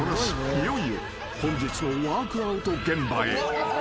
いよいよ本日のワークアウト現場へ］